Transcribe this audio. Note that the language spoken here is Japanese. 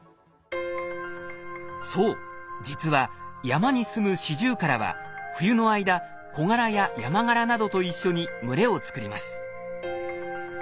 そう実は山にすむシジュウカラは冬の間コガラやヤマガラなどと一緒に群れを作ります。